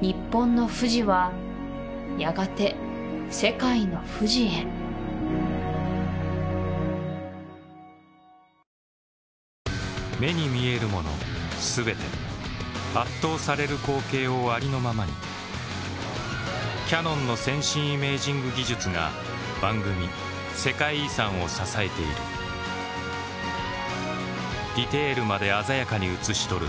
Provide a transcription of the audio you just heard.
日本の富士はやがて世界のＦＵＪＩへ目に見えるもの全て圧倒される光景をありのままにキヤノンの先進イメージング技術が番組「世界遺産」を支えているディテールまで鮮やかに映し撮る